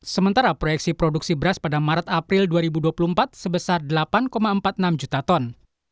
sementara proyeksi produksi beras pada maret april dua ribu dua puluh empat sebesar delapan empat puluh enam juta ton